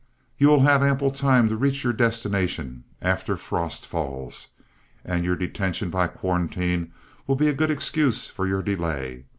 You will have ample time to reach your destination after frost falls, and your detention by quarantine will be a good excuse for your delay.